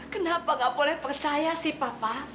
kenapa gak boleh percaya si papa